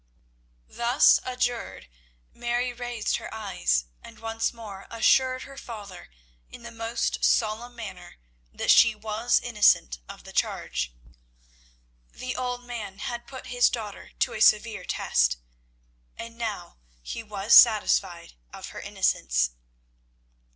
Thus adjured, Mary raised her eyes, and once more assured her father in the most solemn manner that she was innocent of the charge. The old man had put his daughter to a severe test, and now he was satisfied of her innocence.